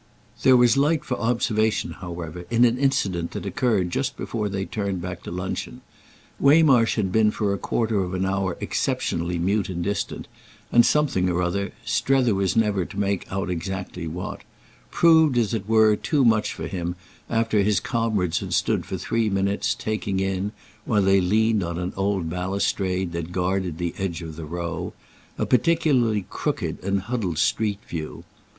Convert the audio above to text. There was light for observation, however, in an incident that occurred just before they turned back to luncheon. Waymarsh had been for a quarter of an hour exceptionally mute and distant, and something, or other—Strether was never to make out exactly what—proved, as it were, too much for him after his comrades had stood for three minutes taking in, while they leaned on an old balustrade that guarded the edge of the Row, a particularly crooked and huddled street view.